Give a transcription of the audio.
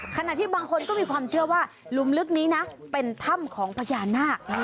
ขณะที่บางคนก็มีความเชื่อว่าหลุมลึกนี้นะเป็นถ้ำของพญานาค